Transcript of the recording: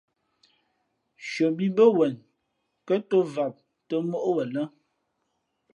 Nshʉαmbhǐ mbᾱ mά wen kα̌ ntōm vam tᾱ mǒʼ wzen lά.